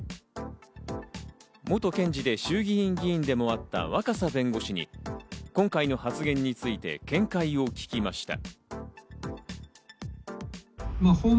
元検事で衆議院議員でもあった若狭弁護士に、今回の発言について見解を聞きました。